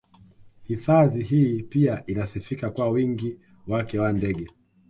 Hifadhi hii pia inasifika kwa wingi wake wa ndege